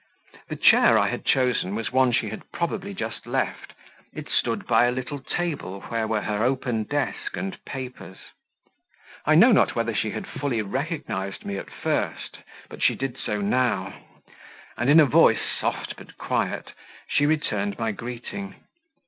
The chair I had chosen was one she had probably just left; it stood by a little table where were her open desk and papers. I know not whether she had fully recognized me at first, but she did so now; and in a voice, soft but quiet, she returned my greeting.